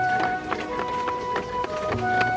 lalu aku akan mengepaknya untukmu